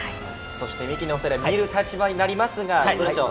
そしてミキのお二人は見る立場になりますがどうでしょう？